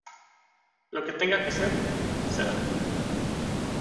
Lo que tenga que ser, será